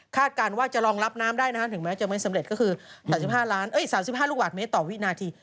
การว่าจะรองรับน้ำได้ถึงแม้จะไม่สำเร็จก็คือ๓๕ลูกบาทเมตรต่อวินาที